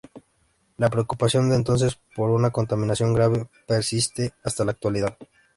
La preocupación de entonces por una contaminación grave persiste hasta la actualidad.